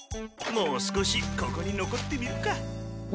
もう少しここに残ってみるか。